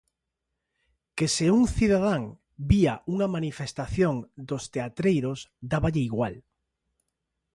Que se un cidadán vía unha manifestación dos teatreiros, dáballe igual.